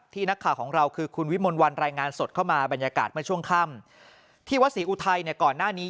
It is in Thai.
นักข่าวของเราคือคุณวิมลวันรายงานสดเข้ามาบรรยากาศเมื่อช่วงค่ำที่วัดศรีอุทัยเนี่ยก่อนหน้านี้